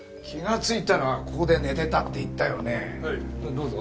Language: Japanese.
どうぞ。